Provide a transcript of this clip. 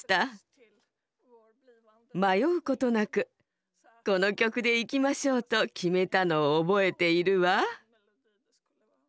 迷うことなく「この曲でいきましょう！」と決めたのを覚えているわ。